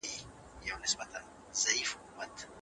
سبزیجات او مېوې باید ستاسو د ورځنۍ ډوډۍ تر ټولو مهمه برخه وي.